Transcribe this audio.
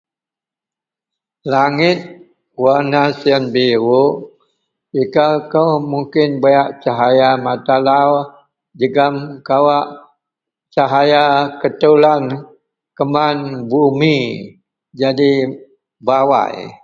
Langit warna siyen biruk, tekakou mungkin buyak cahaya matalau jegem kawak cahaya ketulan kuman bumi jadi bawai